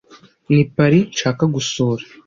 Ni Paris nshaka gusura.